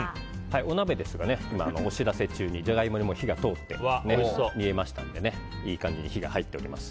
お鍋ですが、お知らせ中にジャガイモに火が通って煮えましたんでいい感じに火が入っております。